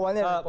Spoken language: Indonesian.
bang hoi rul